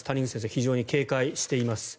非常に警戒しています。